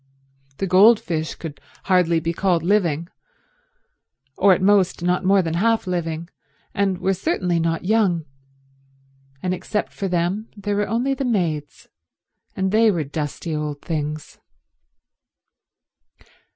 The goldfish could hardly be called living, or at most not more than half living, and were certainly not young, and except for them there were only the maids, and they were dusty old things.